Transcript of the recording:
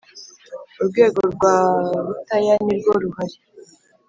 Urwego rwa Butaya nirwo ruhari.